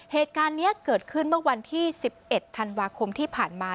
เหตุการณ์นี้เกิดขึ้นเมื่อวันที่๑๑ธันวาคมที่ผ่านมา